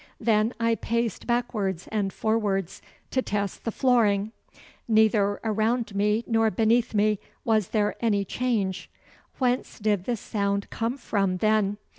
Then I paced backwards and forwards to test the flooring. Neither around me nor beneath me was there any change. Whence did the sound come from, then?